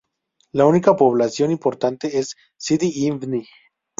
La única población importante es Sidi Ifni.